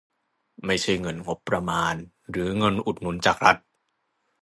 ไม่ใช่เงินงบประมาณหรือเงินอุดหนุนจากรัฐ